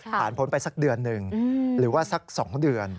พ้นไปสักเดือนหนึ่งหรือว่าสัก๒เดือน